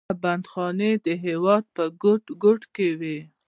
دا بندیخانې د هېواد په ګوټ ګوټ کې وې.